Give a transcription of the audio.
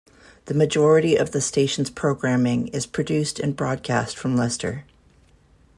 The majority of the station's programming is produced and broadcast from Leicester.